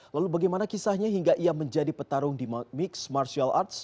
lalu bagaimana kisahnya hingga ia menjadi petarung di mixed martial arts